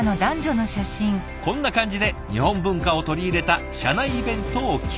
こんな感じで日本文化を取り入れた社内イベントを企画主催したことも。